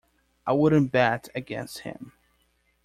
I wouldn't bet against him.